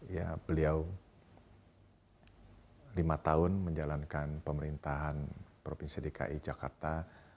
ya beliau lima tahun menjalankan pemerintahan provinsi dki jakarta